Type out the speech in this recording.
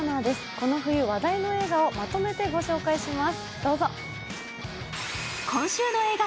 この冬話題の映画をまとめてご紹介します。